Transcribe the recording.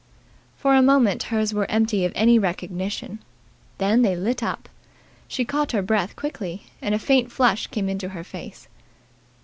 For a moment hers were empty of any recognition. Then they lit up. She caught her breath quickly, and a faint flush came into her face.